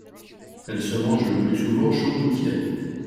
Elle se mange le plus souvent chaude ou tiède.